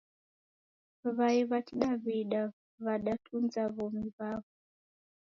W'ai w'a kidaw'ida w'adatunza w'omi w'aw'o.